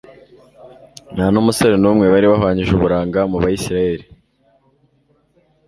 nta musore n'umwe bari bahwanyije uburanga mu bayisraheli